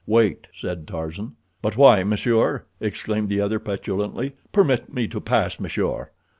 "Wait," said Tarzan. "But why, monsieur?" exclaimed the other petulantly. "Permit me to pass, monsieur."